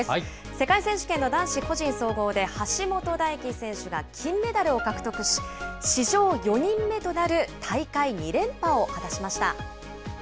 世界選手権の男子個人総合で、橋本大輝選手が金メダルを獲得し、史上４人目となる大会２連覇を果たしました。